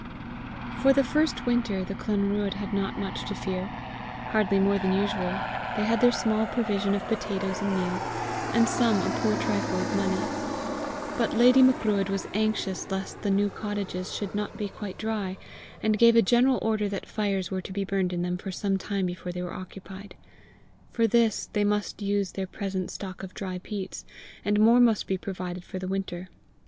For the first winter the Clanruadh had not much to fear hardly more than usual: they had their small provision of potatoes and meal, and some a poor trifle of money. But "Lady Macruadh" was anxious lest the new cottages should not be quite dry, and gave a general order that fires were to be burned in them for some time before they were occupied: for this they must use their present stock of dry peats, and more must be provided for the winter.